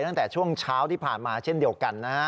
ตั้งแต่ช่วงเช้าที่ผ่านมาเช่นเดียวกันนะฮะ